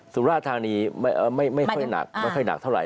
สุราธารณีไม่ค่อยหนักเท่าไร